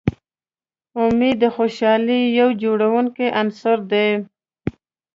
امید د خوشحالۍ یو جوړوونکی عنصر دی.